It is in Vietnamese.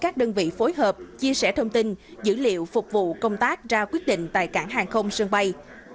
các đơn vị phối hợp chia sẻ thông tin dữ liệu phục vụ công tác ra quyết định tại cảng hàng không sân bay